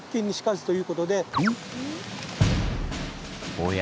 おや？